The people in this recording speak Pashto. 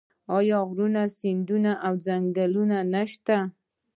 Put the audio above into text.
آیا غرونه سیندونه او ځنګلونه نشته؟